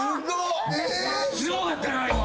すごかったな今。